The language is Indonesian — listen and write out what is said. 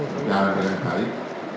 menjalankan yang baik